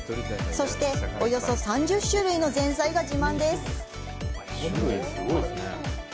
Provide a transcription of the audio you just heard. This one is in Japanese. そして、およそ３０種類の前菜が自慢です。